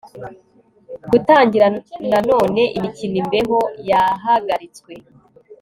gutangira nanone imikino imbeho yahagaritswe